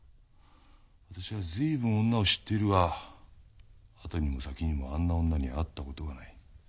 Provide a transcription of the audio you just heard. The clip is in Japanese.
私は随分女を知っているが後にも先にもあんな女には会った事がない。